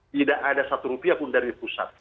tidak ada satu rupiah pun dari pusat